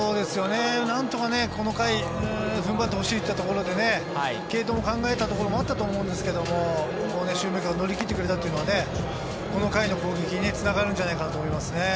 なんとかこの回踏ん張ってほしいというところで継投を考えたところもあったと思うんですけれど、この守備で乗り切ってくれたというのは、この回の攻撃に繋がるんじゃないかなと思いますね。